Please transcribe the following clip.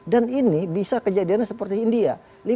dan ini bisa kejadiannya seperti india